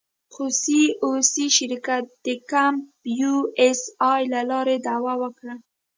خو سي او سي شرکت د کمپ یو اس اې له لارې دعوه وکړه.